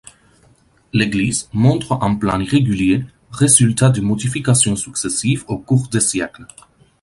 L'église montre un plan irrégulier, résultat de modifications successives au cours des siècles.